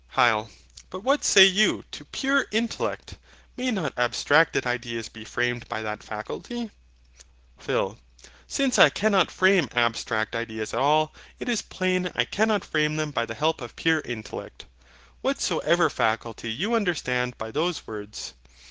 HYL. But what say you to PURE INTELLECT? May not abstracted ideas be framed by that faculty? PHIL. Since I cannot frame abstract ideas at all, it is plain I cannot frame them by the help of PURE INTELLECT; whatsoever faculty you understand by those words.